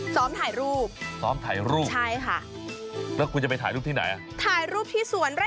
ถ่ายรูปซ้อมถ่ายรูปใช่ค่ะแล้วคุณจะไปถ่ายรูปที่ไหนอ่ะถ่ายรูปที่สวนไร่